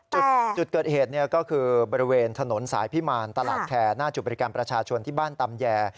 จุดเกิดเหตุก็คือบริเวณถนนสายพิมารตลาดแคร์หน้าจุดบริการประชาชนที่บ้านตำแย